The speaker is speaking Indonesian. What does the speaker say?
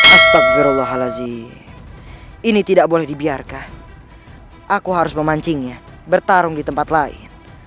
astagrallah halazi ini tidak boleh dibiarkan aku harus memancingnya bertarung di tempat lain